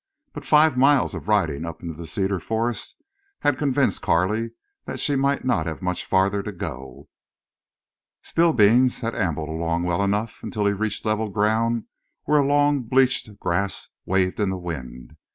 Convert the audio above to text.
But five miles of riding up into the cedar forest had convinced Carley that she might not have much farther to go. Spillbeans had ambled along well enough until he reached level ground where a long bleached grass waved in the wind.